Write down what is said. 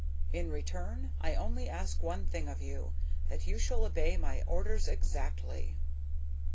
In return, I only ask one thing of you, that you shall obey my orders exactly.